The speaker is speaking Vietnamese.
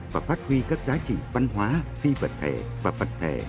và phát huy các giá trị văn hóa phi vật thể và vật thể